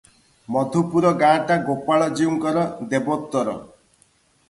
ମଧୁପୁର ଗାଁଟା ଗୋପାଳଜୀଉଙ୍କର ଦେବୋତ୍ତର ।